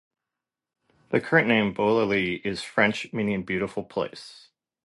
The current name "Beaulieu" is French, meaning "beautiful place".